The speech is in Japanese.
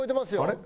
あれ？